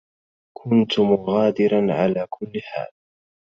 كنت مغادرا على كل حال.